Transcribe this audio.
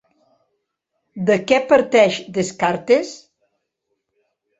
De què parteix Descartes?